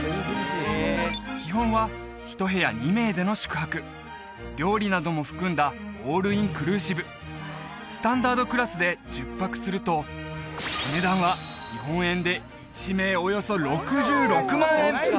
基本は１部屋２名での宿泊料理なども含んだオールインクルーシブスタンダードクラスで１０泊するとお値段は日本円で１名およそ６６万円！